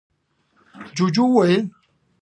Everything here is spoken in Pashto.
ُجوجُو وويل: